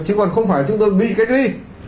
chứ còn không phải chúng tôi bị khách ly